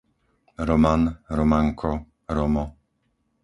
Roman, Romanko, Romo